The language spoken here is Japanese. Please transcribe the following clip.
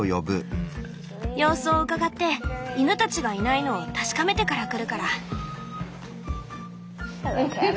様子をうかがって犬たちがいないのを確かめてから来るから。